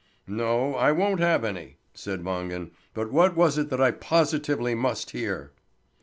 "No, I won't have any!" said Wangen. "But what was it that I positively must hear?"